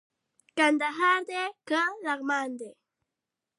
کندهار دئ که لغمان دئ